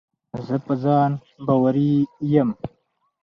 زه په ځان باوري یم.